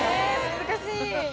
難しい！